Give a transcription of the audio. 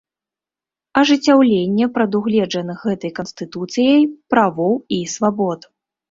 Ажыццяўленне прадугледжаных гэтай Канстытуцыяй правоў і свабод.